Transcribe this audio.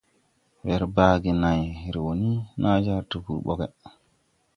Wer bagge nāyre wō ni jar tpur boge.